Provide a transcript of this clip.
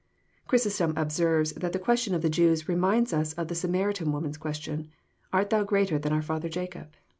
" Chrysostom observes that the question of the Jews reminds ns of the Samaritan woman's question: Art thou greater than our father Jacob